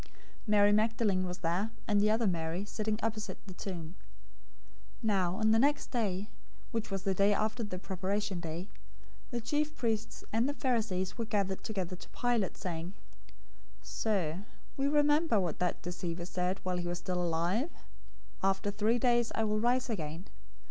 027:061 Mary Magdalene was there, and the other Mary, sitting opposite the tomb. 027:062 Now on the next day, which was the day after the Preparation Day, the chief priests and the Pharisees were gathered together to Pilate, 027:063 saying, "Sir, we remember what that deceiver said while he was still alive: 'After three days I will rise again.'